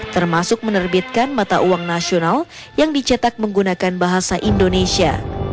termasuk menerbitkan mata uang nasional yang dicetak menggunakan bahasa indonesia